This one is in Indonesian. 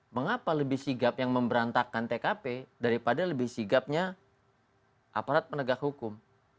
mengapa lebih sigap yang memberantakan tkp daripada lebih sigapnya aparat penegak hukum